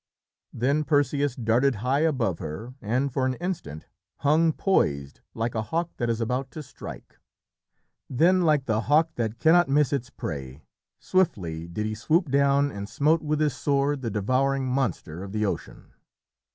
Then Perseus darted high above her and for an instant hung poised like a hawk that is about to strike. Then, like the hawk that cannot miss its prey, swiftly did he swoop down and smote with his sword the devouring monster of the ocean.